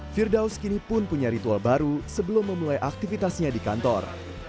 firdaus kini pun punya ritual baru sebelum memulai aktivitasnya di kantor